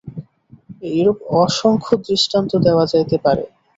এইরূপ অসংখ্য দৃষ্টান্ত দেওয়া যাইতে পারে।